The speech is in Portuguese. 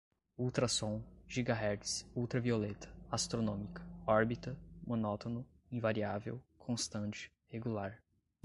ultra-som, gigahertz, ultravioleta, astronômica, órbita, monótono, invariável, constante, regular